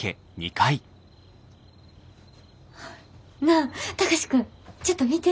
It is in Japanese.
なあ貴司君ちょっと見て。